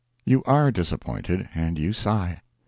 You are disappointed, and you sigh.